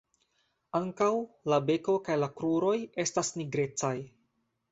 Ankaŭ la beko kaj la kruroj estas nigrecaj.